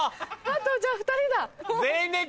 あとじゃあ２人だ。